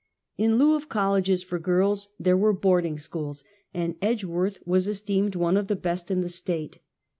In lieu of colleges for girls, there were boarding schools, and Edgeworth was esteemed one of the best in the State.